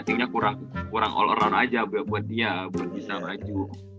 timnya kurang all around aja buat dia bisa maju